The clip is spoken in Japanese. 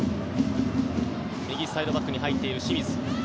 右サイドバックに入っている清水。